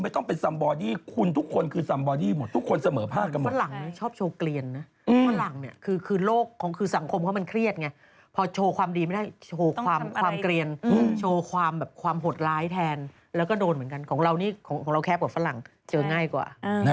ไม่ได้กลัวมากดูสิแป๊บเดียวจับตัวได้ด้วย